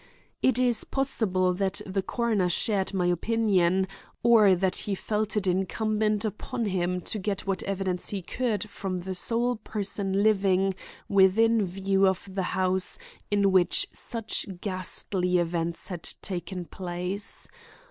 It is possible that the coroner shared my opinion, or that he felt it incumbent upon him to get what evidence he could from the sole person living within view of the house in which such ghastly events had taken place.